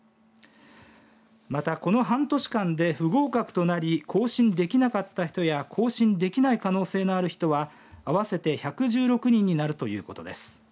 また、この半年間で不合格となり更新できなかった人や更新できない可能性のある人は合わせて１１６人になるということです。